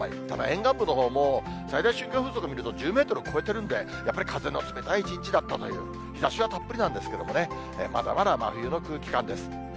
ただ沿岸部のほうも、最大瞬間風速を見ると１０メートルを超えてるんで、やっぱり風の冷たい一日だったという、日ざしはたっぷりなんですけれどもね、まだまだ真冬の空気感です。